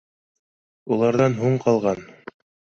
Уларҙан һуң ҡалған